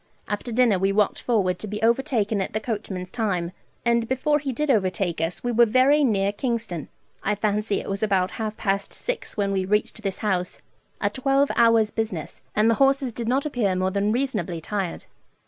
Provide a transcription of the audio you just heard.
After dinner we walked forward to be overtaken at the coachman's time, and before he did overtake us we were very near Kingston. I fancy it was about half past six when we reached this house a twelve hours' business, and the horses did not appear more than reasonably tired.